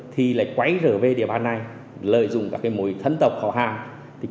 thì lại quấy rở về địa bàn này lợi dụng các mối thân tộc khó khăn